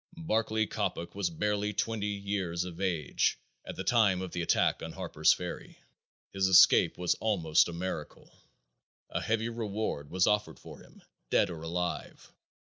Barclay Coppock was barely twenty years of age at the time of the attack on Harper's Ferry. His escape was almost a miracle. A heavy reward was offered for him dead or alive.